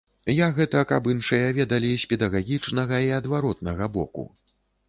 Я гэта, каб іншыя ведалі з педагагічнага і адваротнага боку.